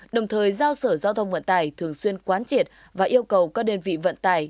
đồng thời giao sở giao thông vận tải thường xuyên quán triệt và yêu cầu các đơn vị vận tải